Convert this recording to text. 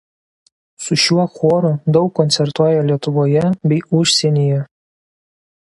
Su šiuo choru daug koncertuoja Lietuvoje bei užsienyje.